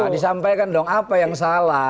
disampaikan dong apa yang salah